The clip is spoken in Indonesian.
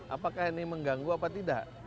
apakah ini mengganggu apa tidak